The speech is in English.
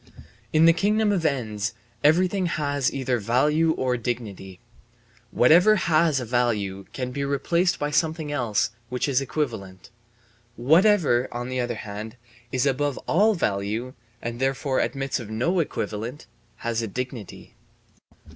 In the kingdom of ends everything has either value or dignity. Whatever has a value can be replaced by something else which is equivalent; whatever, on the other hand, is above all value, and therefore admits of no equivalent, has a dignity.